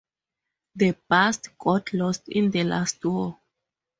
The bust got lost in the last war.